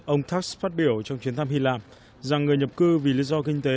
ông tax phát biểu trong chuyến thăm hy lạp rằng người nhập cư vì lý do kinh tế